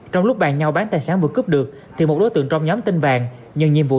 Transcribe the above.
trong lúc bàn nhau bán tài sản vừa cướp được thì một đối tượng trong nhóm tin vàng nhận nhiệm vụ